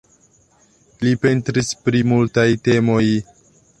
Li pentris pri multaj temoj.